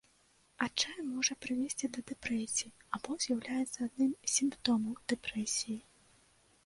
Адчай можа прывесці да дэпрэсіі або з'яўляецца адным з сімптомаў дэпрэсіі.